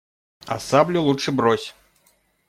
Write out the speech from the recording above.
А саблю лучше брось.